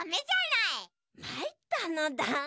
まいったのだ。